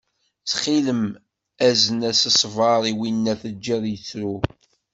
Ttxil-m azen-as-d ṣṣber i winna teǧǧiḍ yettru.